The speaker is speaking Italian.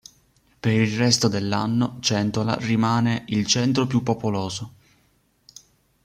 Per il resto dell'anno Centola rimane il centro più popoloso.